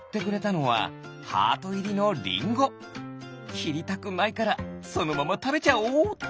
きりたくないからそのままたべちゃおうっと。